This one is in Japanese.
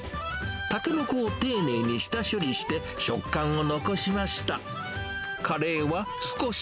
タケノコを丁寧に下処理して、食感を残しました。